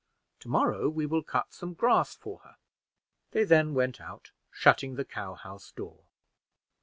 To morrow we will cut some grass for her." They then went out, shutting the cow house door.